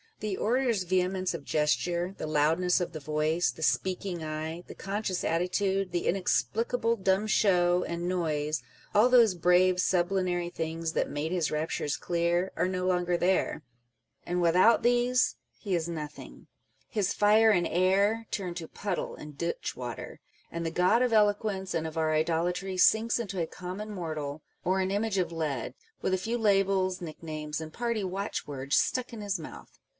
The orator's vehemence of gesture, the loudness of the voice, the speaking eye, the conscious attitude, the inexplicable dumb show and noiso, â€" all " those brave sublunary things that made his raptures clear," â€" are no longer there, and Writing and Speaking. 373 without these he is nothing ; â€" his " fire and air " turn to puddle and ditch water, and the god of eloquence and of our idolatry sinks into a common mortal, or an image of lead, with a few labels, nicknames, and party watchwords stuck in his mouth.